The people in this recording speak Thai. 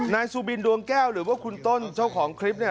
นายสุบินดวงแก้วหรือว่าคุณต้นเจ้าของคลิปเนี่ย